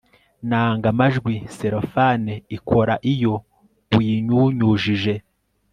nanga amajwi selofane ikora iyo uyinyunyujije